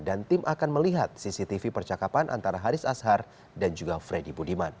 dan tim akan melihat cctv percakapan antara haris ashar dan juga freddy budiman